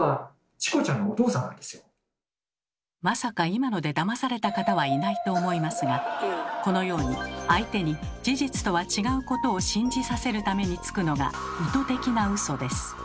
まさか今のでだまされた方はいないと思いますがこのように相手に事実とは違うことを信じさせるためにつくのが意図的なウソです。